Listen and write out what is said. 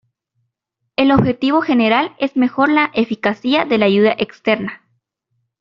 El objetivo general es mejor la eficacia de la ayuda externa.